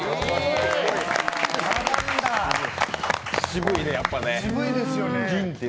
渋いね、やっぱね。